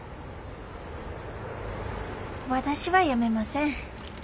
私はやめません。